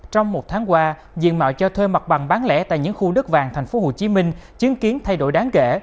trong một tháng qua diện mạo cho thuê mặt bằng bán lẻ tại những khu đất vàng tp hcm chứng kiến thay đổi đáng kể